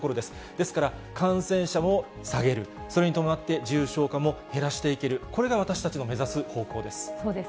ですから、感染者も下げる、それに伴って、重症化も減らしていける、これが私たちの目指す方向です。